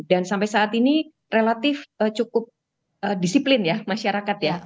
dan sampai saat ini relatif cukup disiplin ya masyarakat ya